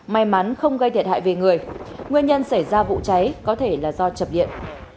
may mắn không gây thiệt hại về người nguyên nhân xảy ra vụ cháy có thể là do chập điện